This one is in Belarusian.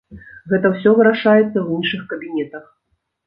Гэта ўсё вырашаецца ў іншых кабінетах!